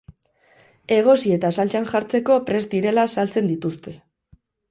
Egosi eta saltsan jartzeko prest direla saltzen dituzte.